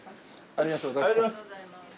ありがとうございます。